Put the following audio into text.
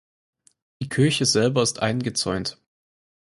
Die Kirche selber ist eingezäunt.